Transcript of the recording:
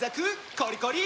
コリコリ！